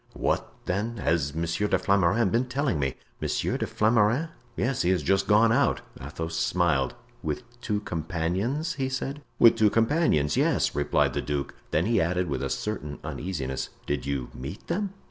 "What, then, has Monsieur de Flamarens been telling me?" "Monsieur de Flamarens?" "Yes, he has just gone out." Athos smiled. "With two companions?" he said. "With two companions, yes," replied the duke. Then he added with a certain uneasiness, "Did you meet them?"